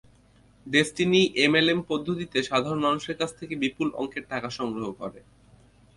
Destiny MLM পদ্ধতিতে সাধারণ মানুষের কাছ থেকে বিপুল অঙ্কের টাকা সংগ্রহ করে।